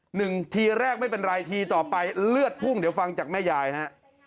หนึ่งทีแรกไม่เป็นไรทีต่อไปเลือดพุ่งเดี๋ยวฟังจากแม่ยายฮะ